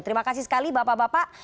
terima kasih sekali bapak bapak